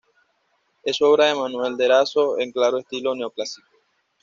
Es obra de Manuel de Eraso en claro estilo neoclásico.